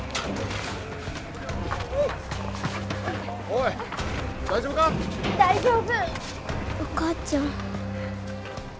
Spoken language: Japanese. お母ちゃん。